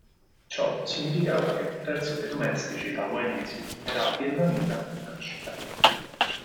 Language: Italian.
Ciò significava che un terzo dei domestici taiwanesi era vietnamita di nascita.